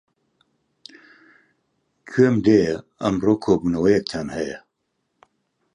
گوێم لێیە ئەمڕۆ کۆبوونەوەیەکتان هەیە.